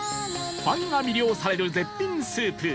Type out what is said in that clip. ファンが魅了される絶品スープ